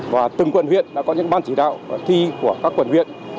và từng quận huyện đã có những ban chỉ đạo thi của các quận huyện